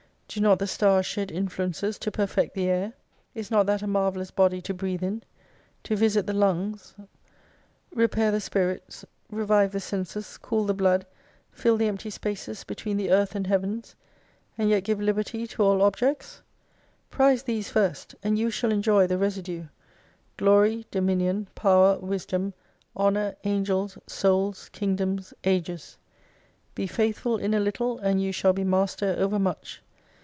Do not the stars shed influences to perfect the Air ? Is not that a marvellous body to breathe in ? To visit the lungs : repair the spirits, revive the senses, cool the blood, fill the empty spaces between the Earth and Heavens ; and yet give liberty to all objects ? Prize these first : and you shall enjoy the residue : Glory, Dominion, Power, Wisdom, Honour, Angels, Souls, Kingdoms, Ages. Be faithful in a little, and you shall be master over much.